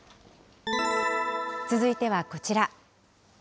続いてはこちら。